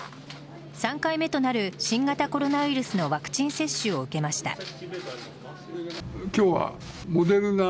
３回目となる新型コロナウイルスのワクチン接種を受けました。